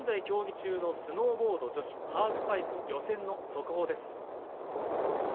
競技中のスノーボード女子ハーフパイプ予選の速報です